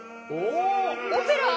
オペラ？